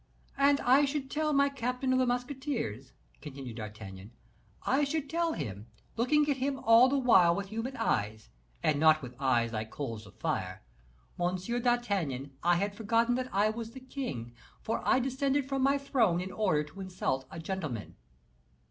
"And I should tell my captain of the musketeers," continued D'Artagnan, "I should tell him, looking at him all the while with human eyes, and not with eyes like coals of fire, 'M. d'Artagnan, I had forgotten that I was the king, for I descended from my throne in order to insult a gentleman.